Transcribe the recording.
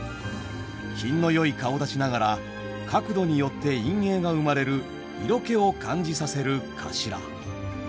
品のよい顔だちながら角度によって陰影が生まれる色気を感じさせる「かしら」。